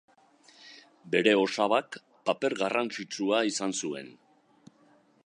Bere osabak paper garrantzitsua izan zuen.